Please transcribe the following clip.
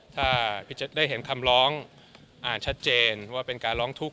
ถ้าพี่แจ๊ได้เห็นคำร้องอ่านชัดเจนว่าเป็นการร้องทุกข